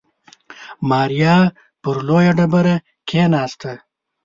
ماريا پر لويه ډبره کېناسته.